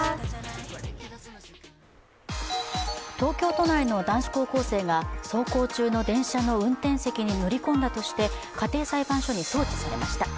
東京都内の男子高校生が走行中の電車の運転席に乗り込んだとして家庭裁判所に送致されました。